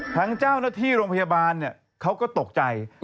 ทั้งเจ้าหน้าที่โรงพยาบาลเขาก็ตกใจ